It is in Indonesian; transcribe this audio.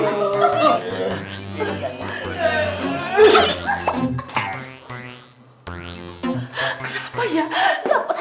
janganlah tadi berat